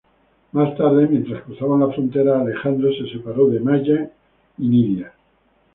Más tarde, mientras cruzaban la frontera, Alejandro se separó de Maya y Nidia.